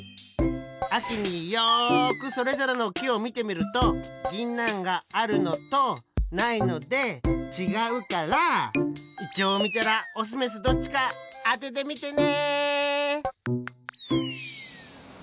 あきによくそれぞれのきをみてみるとぎんなんがあるのとないのでちがうからイチョウをみたらオスメスどっちかあててみてね！